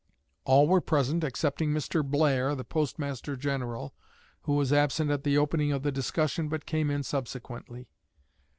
All were present excepting Mr. Blair, the Postmaster general, who was absent at the opening of the discussion, but came in subsequently.